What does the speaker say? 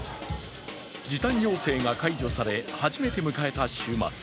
時短要請が解除され、初めて迎えた週末。